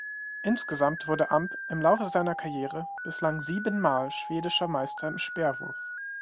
Insgesamt wurde Amb im Laufe seiner Karriere bislang siebenmal schwedischer Meister im Speerwurf.